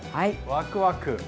ワクワク。